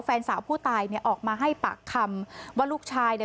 แฟนสาวผู้ตายเนี่ยออกมาให้ปากคำว่าลูกชายเนี่ย